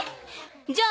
じゃあ。